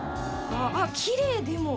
わぁきれいでも。